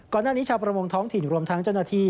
ก่อนหน้านี้ชาวประมวงท้องถิ่นรวมทั้งเจ้าหน้าที่